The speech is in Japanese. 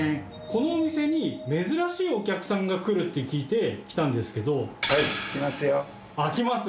このお店に珍しいお客さんが来るって聞いて来たんですけど。来ます？